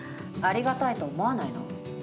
ありがたいと思わないの？